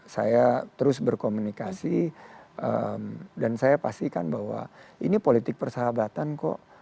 saya terus berkomunikasi dan saya pastikan bahwa ini politik persahabatan kok